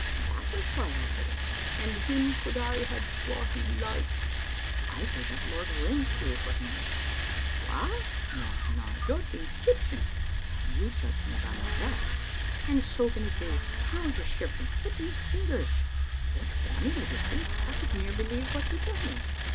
" That was why I did it." "And him could hae had wha he liked." " I gavfe up Lord Rintoul for him." "What? Na, na; you're the Egyptian." " You judge me by my dress. " "And soaking it is. How you're shivering — what neat fingers — what bonny little feet. I could near be lieve what you tell me.